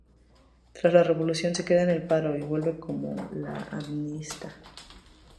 Tras la revolución se queda en el paro y vuelve con la amnistía.